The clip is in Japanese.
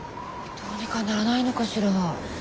どうにかならないのかしら。